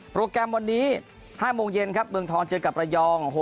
แกรมวันนี้๕โมงเย็นครับเมืองทองเจอกับระยอง